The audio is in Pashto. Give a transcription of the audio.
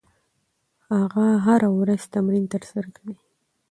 هغه هره ورځ تمرین ترسره کوي.